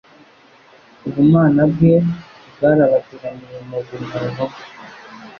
Ubumana bwe bwarabagiraniye mu bumuntu bwe,